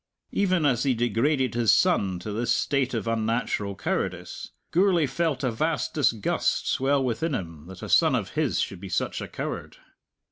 Even as he degraded his son to this state of unnatural cowardice, Gourlay felt a vast disgust swell within him that a son of his should be such a coward.